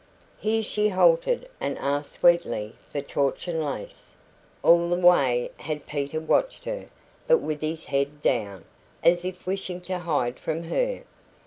Here she halted and asked sweetly for torchon lace. All the way had Peter watched her, but with his head down, as if wishing to hide from her.